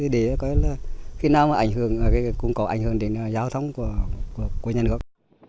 để có khi nào mà ảnh hưởng công cộng ảnh hưởng đến giao thống của nhân gốc